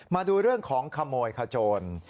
มาดูเรื่องของขโมยขโจร